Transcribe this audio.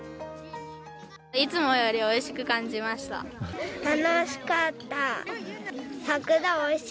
いつもよりおいしく感じまし楽しかった。